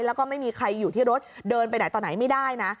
แล้วก็ไม่มีใครอยู่ที่รถเดินไปไหนต่อไหนไม่ได้นะ